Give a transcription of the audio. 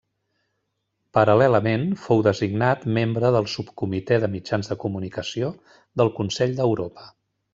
Paral·lelament fou designat membre del Subcomitè de Mitjans de Comunicació del Consell d'Europa.